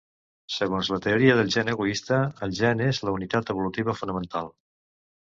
Segons la teoria del gen egoista, el gen és la unitat evolutiva fonamental.